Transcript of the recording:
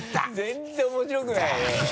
全然面白くないね